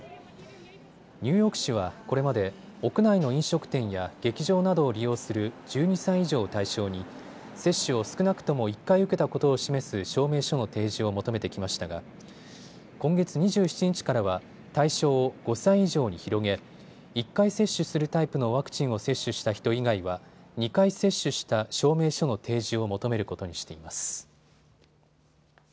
ニューヨーク市はこれまで屋内の飲食店や劇場などを利用する１２歳以上を対象に接種を少なくとも１回受けたことを示す証明書の提示を求めてきましたが今月２７日からは対象を５歳以上に広げ１回接種するタイプのワクチンを接種した人以外は２回接種した証明書の提示を求めることにしています。